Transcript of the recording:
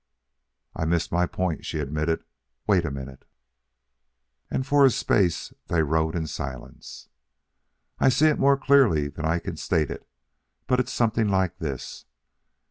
"I missed my point," she admitted. "Wait a minute." And for a space they rode in silence. "I see it more clearly than I can state it, but it's something like this.